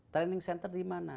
training center dimana